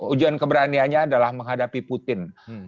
ujian keberaniannya adalah menghadapi putin